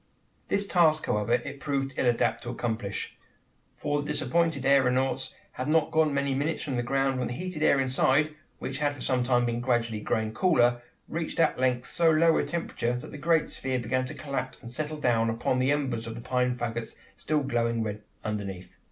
This task, however, it proved ill adapted to accomplish: for the disappointed aeronauts had not been gone many minutes from the ground, when the heated air inside, which had for some time been gradually growing cooler, reached at length so low a temperature, that the great sphere began to collapse and settle down upon the embers of the pine faggots still glowing red underneath.